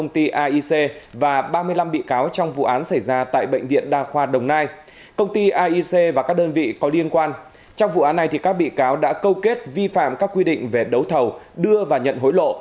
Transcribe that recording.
trong vụ án này các bị cáo đã câu kết vi phạm các quy định về đấu thầu đưa và nhận hối lộ